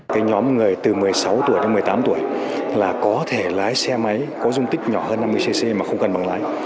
cái nhóm người từ một mươi sáu tuổi đến một mươi tám tuổi là có thể lái xe máy có dung tích nhỏ hơn năm mươi cc mà không cần bằng lái